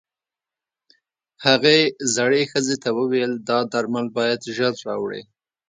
هغې زړې ښځې ته وويل دا درمل بايد ژر راوړې.